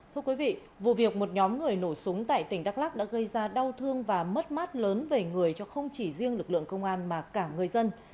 thưa quý vị vụ việc một nhóm người nổ súng tại tỉnh đắk lắc đã gây ra đau thương và mất mát lớn về người cho không chỉ riêng lực lượng công an mà cả người dân